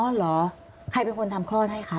เหรอใครเป็นคนทำคลอดให้คะ